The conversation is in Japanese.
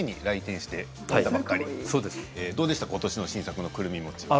どうでしたかことしの新作のくるみ餅は。